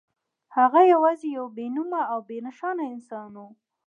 هغه یوازې یو بې نومه او بې نښانه انسان و